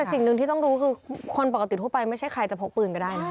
สิ่งหนึ่งที่ต้องรู้คือคนปกติทั่วไปไม่ใช่ใครจะพกปืนก็ได้นะ